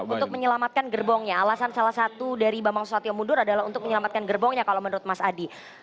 untuk menyelamatkan gerbongnya alasan salah satu dari bambang susatyo mundur adalah untuk menyelamatkan gerbongnya kalau menurut mas adi